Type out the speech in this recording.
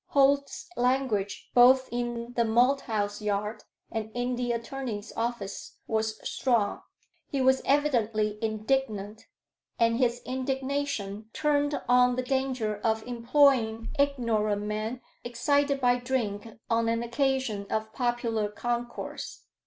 Holt's language, both in the Malthouse Yard and in the attorney's office, was strong: he was evidently indignant, and his indignation turned on the danger of employing ignorant men excited by drink on an occasion of popular concourse.